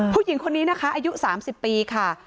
ผู้หญิงคนนี้นะคะอายุ๓๐ปีค่ะ